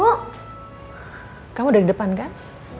hai kamu udah depan kan